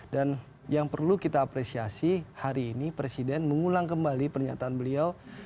dan yang perlu kita apresiasi hari ini presiden mengulang kembali pernyataan beliau